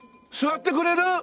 座ってくれる！？